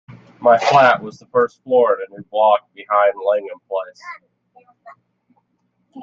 My flat was the first floor in a new block behind Langham Place.